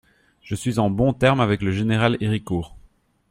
Je suis en bons termes avec le général Héricourt.